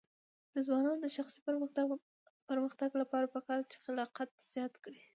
د ځوانانو د شخصي پرمختګ لپاره پکار ده چې خلاقیت زیات کړي.